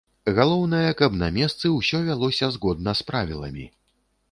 Галоўнае, каб на месцы ўсё вялося згодна з правіламі.